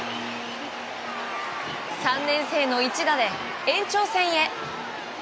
３年生の一打で延長戦へ！